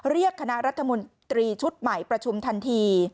เรียกคณะรัฐมนตรีชุดใหม่ประชุมทันที